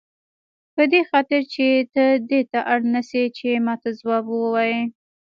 په دې خاطر چې ته دې ته اړ نه شې چې ماته ځواب ووایې.